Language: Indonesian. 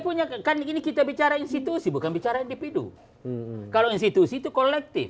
punya kan gini kita bicara institusi bukan bicara individu kalau institusi itu kolektif